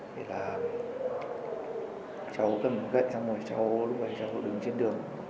thì là cháu cầm gậy xong rồi lúc ấy cháu đứng trên đường